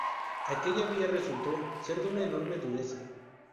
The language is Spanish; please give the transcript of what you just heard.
Aquella vía resultó ser de una enorme dureza.